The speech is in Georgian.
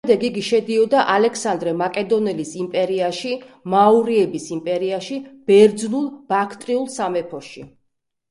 შემდეგ იგი შედიოდა ალექსანდრე მაკედონელის იმპერიაში, მაურიების იმპერიაში, ბერძნულ-ბაქტრიულ სამეფოში.